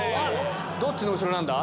どっちの後ろなんだ？